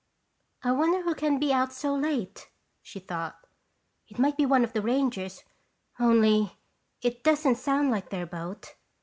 "I wonder who can be out so late?" she thought. "It might be one of the rangers only it doesn't sound like their boat."